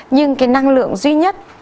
nhưng cái năng lượng duy nhất